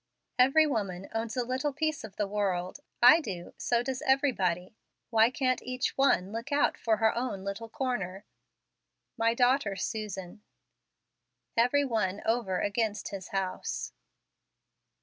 Every woman owns a little piece of the world; I do, so does everybody, why can't each one look out for her own little corner ? My Daughter Susan. " Every one over against his house."